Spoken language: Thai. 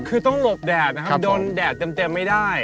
คือต้องหลบแดดนะครับโดนแดดเต็มไม่ได้